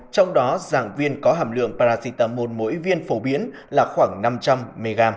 trong đó dạng viên có hàm lượng paracetamol mỗi viên phổ biến là khoảng năm trăm linh mg